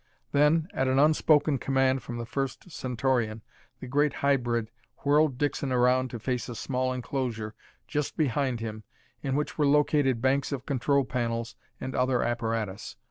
Then at an unspoken command from the first Centaurian the great hybrid whirled Dixon around to face a small enclosure just behind him in which were located banks of control panels and other apparatus.